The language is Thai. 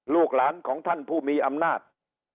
ลูกหลานของท่านผู้มีอำนาจ